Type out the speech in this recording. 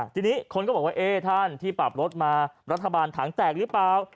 ทีนี้คนก็บอกว่าเอ๊ท่านที่ปรับรถมารัฐบาลถังแตกหรือเปล่า